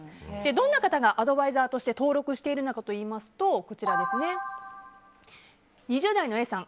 どんな方がアドバイザーとして登録しているかといいますと２０代のＡさん